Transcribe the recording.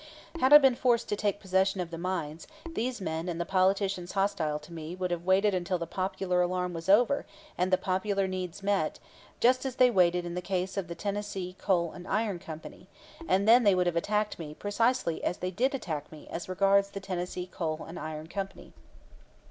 Had I been forced to take possession of the mines, these men and the politicians hostile to me would have waited until the popular alarm was over and the popular needs met, just as they waited in the case of the Tennessee Coal and Iron Company; and then they would have attacked me precisely as they did attack me as regards the Tennessee Coal and Iron Company.